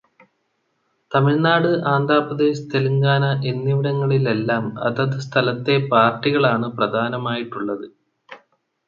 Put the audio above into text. തമിഴ്നാട്, ആന്ധ്രാപ്രദേശ്, തെലങ്കാന എന്നിവിടങ്ങളിലെല്ലാം അതത് സ്ഥലത്തെ പാർട്ടികളാണ് പ്രധാനമായിട്ടുള്ളത്.